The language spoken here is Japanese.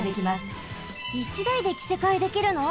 １だいできせかえできるの？